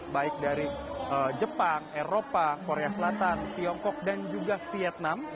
baik dari jepang eropa korea selatan tiongkok dan juga vietnam